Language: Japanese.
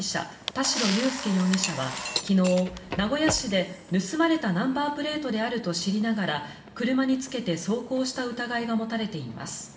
田代裕介容疑者は昨日名古屋市で盗まれたナンバープレートであると知りながら車につけて走行した疑いが持たれています。